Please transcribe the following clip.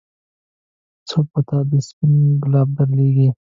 څوک به تا ته سپين ګلاب درلېږي.